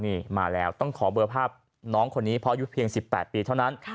นี่มาแล้วต้องขอเบอร์ภาพน้องคนนี้เพราะอายุเพียง๑๘ปีเท่านั้น